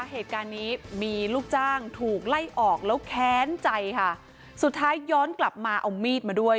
เหตุการณ์นี้มีลูกจ้างถูกไล่ออกแล้วแค้นใจค่ะสุดท้ายย้อนกลับมาเอามีดมาด้วย